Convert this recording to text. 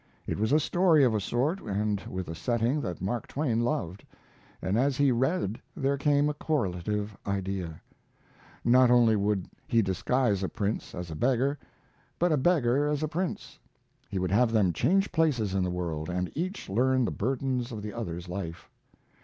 It was a story of a sort and with a setting that Mark Twain loved, and as he read there came a correlative idea. Not only would he disguise a prince as a beggar, but a beggar as a prince. He would have them change places in the world, and each learn the burdens of the other's life.